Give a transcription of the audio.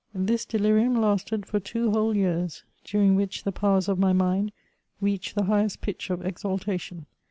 This delirium lasted for two whole years, daring which the powers of mj mind reached the highest pitch of exaltation.